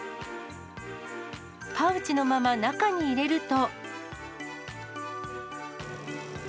パウチのまま中に入れると。